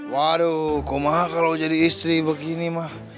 waduh ku mah kalau jadi istri begini mah